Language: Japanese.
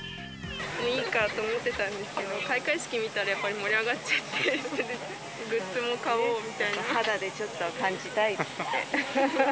もういいかって思ってたんですけど、開会式見たらやっぱり盛り上がっちゃって、肌でちょっと感じたいって。